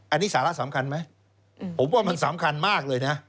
อันนี้สาระสำคัญไหมผมว่ามันสำคัญมากเลยนะ